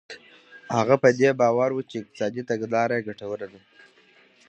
هغه په دې باور و چې اقتصادي تګلاره یې ګټوره ده.